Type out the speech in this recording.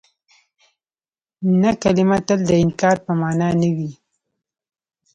نه کلمه تل د انکار په مانا نه وي.